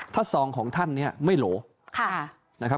ถ้าซองของท่านไม่โหล